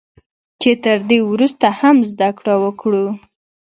چې تر دې ورسته هم زده کړه وکړو